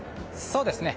そうですね。